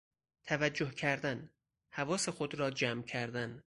توجه کردن، حواس خود را جمع کردن